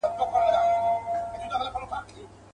لويي څپې به لکه غرونه راځي.